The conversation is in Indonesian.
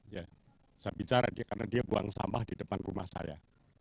ya saya bicara karena dia buang sampah di depan rumah saya